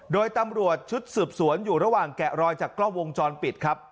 โดยตำรวจชุดสืบสวนอยู่ระหว่างแกะรอยจากกล้องวงจรปิดครับ